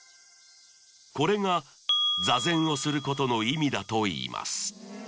これが坐禅をすることの意味だといいます